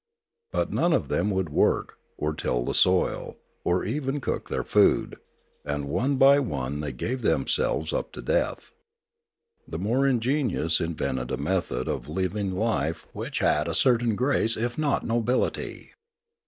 But none of them would work, or till the soil, or even cook their food; and one by one they gave themselves up to death. The more ingenious invented a method of leaving life which had a certain grace if not nobility.